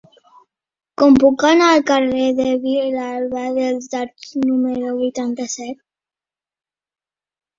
Com puc anar al carrer de Vilalba dels Arcs número vuitanta-set?